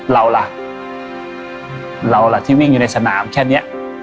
เราล่ะเราล่ะที่วิ่งอยู่ในสนามแค่นี้